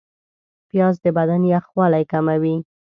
پیاز د بدن یخوالی کموي